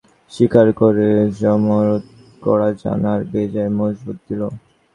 কাজেই ঠাকুররা সরল-সিধে, সর্বদা শিকার করে জমামরদ কড়াজান আর বেজায় মজবুত দিল্।